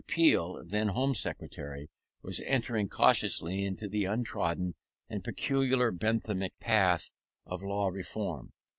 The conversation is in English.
Peel, then Home Secretary, was entering cautiously into the untrodden and peculiarly Benthamic path of Law Reform.